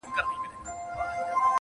د باښو او د کارګانو هم نارې سوې!.